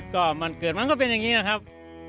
ก็มันเกิดมันก็เป็นอย่างนี้นะครับ